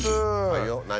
はいよ。何？